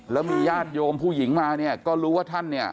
แล้วมีญาติโยมผู้หญิงมาเนี่ยก็รู้ว่าท่านเนี่ย